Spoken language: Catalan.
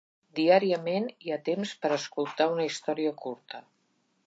Diàriament hi ha temps per a escoltar una història curta.